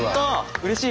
うれしい！